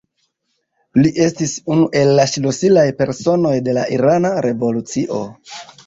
Li estis unu el la ŝlosilaj personoj de la irana revolucio.